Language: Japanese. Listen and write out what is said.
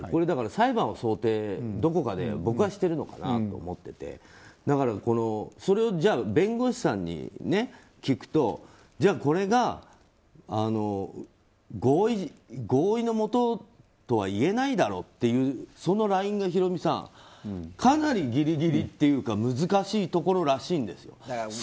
だからこれ、裁判の想定をどこかで、僕はしているのかなと思っていてだからそれを弁護士さんに聞くとこれが合意のもととはいえないだろうというラインがヒロミさんかなりギリギリというか難しいところらしいんですよ。